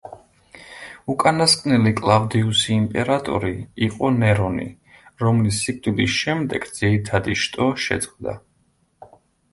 უკანასკნელი კლავდიუსი იმპერატორი იყო ნერონი, რომლის სიკვდილის შემდეგ ძირითადი შტო შეწყდა.